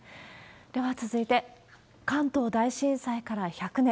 では続いて、関東大震災から１００年。